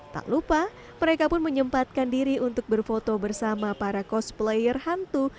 tak lupa mereka pun menyempatkan diri untuk berfoto bersama para cosplayer hantu